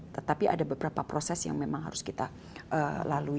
tetapi ada beberapa proses yang memang harus kita lalui